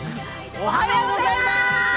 おはようございまーす！